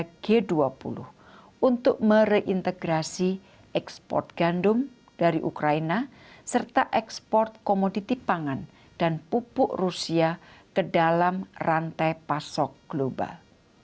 presiden berharap anggota g tujuh akan meminta agar negara negara g dua puluh untuk mereintegrasi ekspor gandum dari ukraina serta ekspor komoditi pangan dan pupuk rusia ke dalam rantai pasok global